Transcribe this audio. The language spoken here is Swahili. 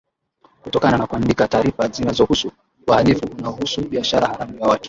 kutokana na kuandika taarifa zinazohusu wahalifu unaohusu biashara haramu ya watu